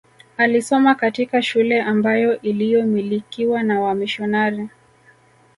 Alisoma katika shule ambayo iliyomilikiwa na wamisionari